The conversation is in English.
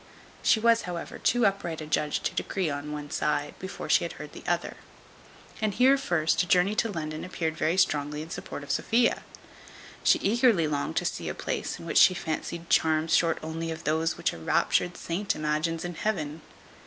She was, however, too upright a judge to decree on one side, before she had heard the other. And here, first, a journey to London appeared very strongly in support of Sophia. She eagerly longed to see a place in which she fancied charms short only of those which a raptured saint imagines in heaven.